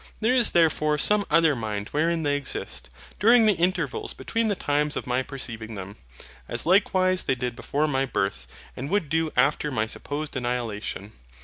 There is therefore some other Mind wherein they exist, during the intervals between the times of my perceiving them: as likewise they did before my birth, and would do after my supposed annihilation.